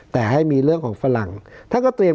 แต่ให้มีเรื่องของฝรั่งท่านก็เตรียม